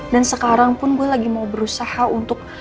dan sekarang pun gue lagi mau berusaha untuk